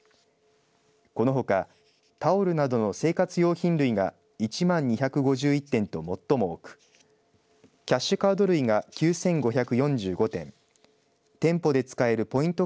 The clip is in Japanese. このほかタオルなどの生活用品類が１万２５１点と最も多くキャッシュカード類が９５４５点店舗で使えるポイント